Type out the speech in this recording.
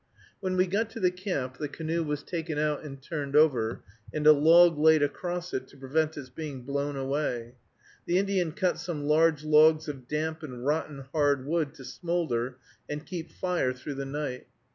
When we got to the camp, the canoe was taken out and turned over, and a log laid across it to prevent its being blown away. The Indian cut some large logs of damp and rotten hard wood to smoulder and keep fire through the night.